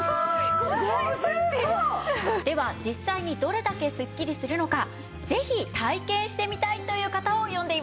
５５！では実際にどれだけスッキリするのかぜひ体験してみたいという方を呼んでいます。